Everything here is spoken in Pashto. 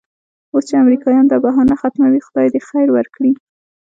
اوس چې امریکایان دا بهانه ختموي خدای دې خیر ورکړي.